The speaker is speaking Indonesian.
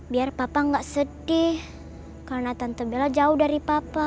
biar papa nggak sedih karena tante bela jauh dari papa